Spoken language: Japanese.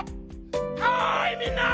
おいみんな！